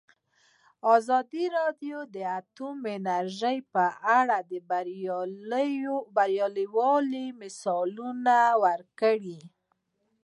ازادي راډیو د اټومي انرژي په اړه د بریاوو مثالونه ورکړي.